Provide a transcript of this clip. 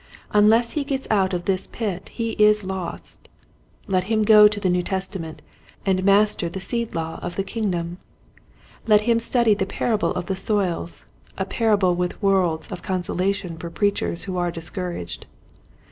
Unless he gets out of this pit he is lost. Let him go to the New Testament and master the seed law of the kingdom. Let him study the parable of the soils, a para ble with worlds of consolation for preach ers who are discouraged.